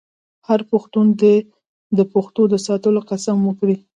هر پښتون دې د پښتو د ساتلو قسم وکړي.